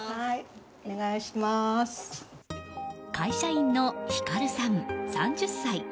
会社員のひかるさん、３０歳。